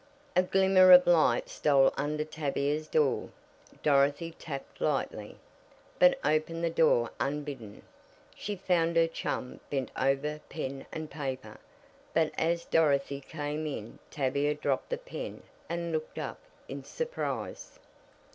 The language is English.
A glimmer of light stole under Tavia's door. Dorothy tapped lightly, but opened the door unbidden. She found her chum bent over pen and paper, but as Dorothy came in Tavia dropped the pen and looked up in surprise.